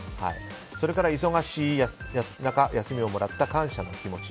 それから忙し中休みをもらった感謝の気持ち。